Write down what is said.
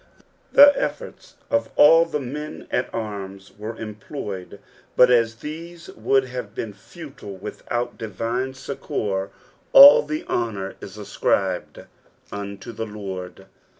Tbe efforts of all the men at arms were employed, but as these wonld have been futile without divine succour, all the honour is escribed unto the Lord.